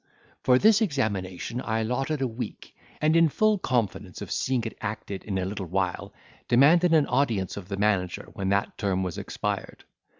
For this examination I allotted a week: and, in full confidence of seeing it acted in a little while, demanded an audience of the manager, when that term was expired.